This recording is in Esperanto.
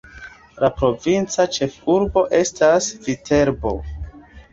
La provinca ĉefurbo estas Viterbo.